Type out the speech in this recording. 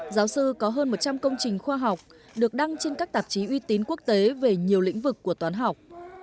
giáo sư có hơn một trăm linh công trình khoa học được đăng trên các tạp chí uy tín quốc tế về nhiều lĩnh vực của toán học